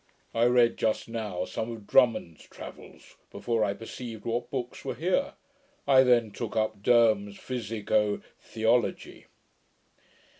I read just now some of Drummond's Travels, before I perceived what books were here. I then took up Derham's Physico Theology.